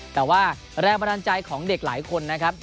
แต่ว่าราคมันอาจจะของเด็กหลายคนนะครับ